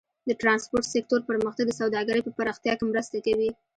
د ټرانسپورټ سکتور پرمختګ د سوداګرۍ په پراختیا کې مرسته کوي.